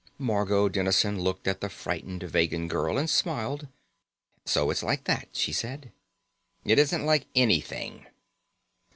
Margot Dennison looked at the frightened Vegan girl and smiled. "So it's like that," she said. "It isn't like anything."